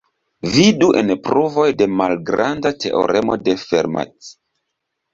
Vidu en pruvoj de malgranda teoremo de Fermat.